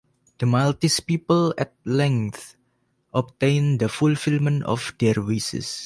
The Maltese people at length obtained the fulfilment of their wishes.